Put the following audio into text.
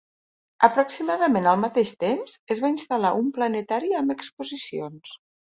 Aproximadament al mateix temps, es va instal·lar un planetari amb exposicions.